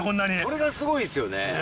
これがすごいですよね。